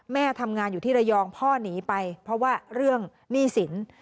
แม่ทำงานอยู่ที่ระยองพ่อหนีไปเพราะว่าเรื่องหนี้สิน